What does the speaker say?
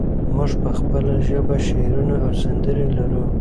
موږ په خپله ژبه شعرونه او سندرې لرو.